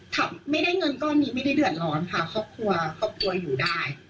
ไม่ได้เงินก้อนนี้ไม่ได้เดือดร้อนค่ะครอบครัวครอบครัวอยู่ได้